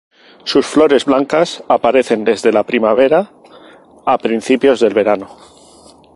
Sus flores blancas aparecen desde la primavera a principios del verano.